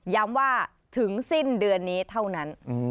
ย้ำว่าถึงสิ้นเดือนนี้เท่านั้น